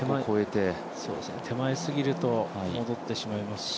手前すぎると戻ってしまいますし。